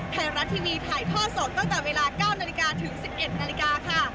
ไทยรัฐทีวีถ่ายทอดสดตั้งแต่เวลา๙นาฬิกาถึง๑๑นาฬิกาค่ะ